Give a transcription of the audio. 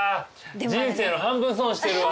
人生の半分損してるわ。